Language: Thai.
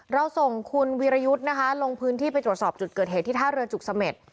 เราส่งคุณวีรยุทธ์นะคะลงพื้นที่ไปตรวจสอบจุดเกิดเหตุที่ท่าเรือจุกเสม็ด